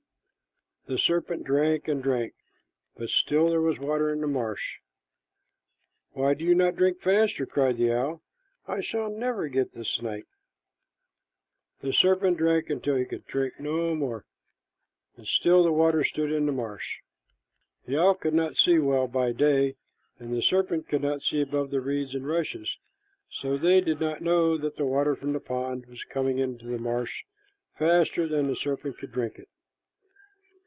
The serpent drank and drank, but still there was water in the marsh. "Why do you not drink faster?" cried the owl. "I shall never get the snipe." The serpent drank till he could drink no more, and still the water stood in the marsh. The owl could not see well by day, and the serpent could not see above the reeds and rushes, so they did not know that the water from the pond was coming into the marsh faster than the serpent could drink it.